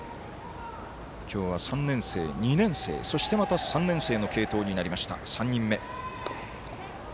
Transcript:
今日は３年生、２年生また３年生の継投になりました、３人目。